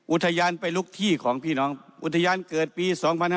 อุทยานไปลุกที่ของพี่น้องอุทยานเกิดปี๒๕๕๙